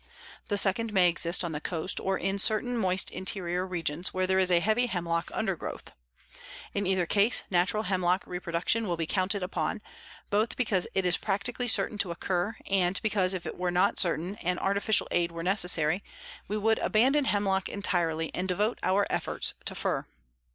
The second may exist on the coast or in certain moist interior regions where there is a heavy hemlock undergrowth. In either case natural hemlock reproduction will be counted upon, both because it is practically certain to occur and because if it were not certain and artificial aid were necessary, we would abandon hemlock entirely and devote our efforts to fir.